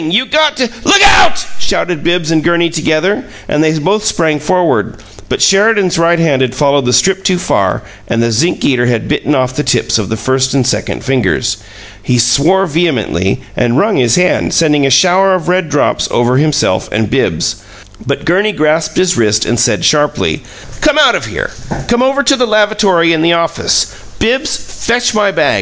You GOT to " "Look out!" shouted Bibbs and Gurney together, and they both sprang forward. But Sheridan's right hand had followed the strip too far, and the zinc eater had bitten off the tips of the first and second fingers. He swore vehemently, and wrung his hand, sending a shower of red drops over himself and Bibbs, but Gurney grasped his wrist, and said, sharply: "Come out of here. Come over to the lavatory in the office. Bibbs, fetch my bag.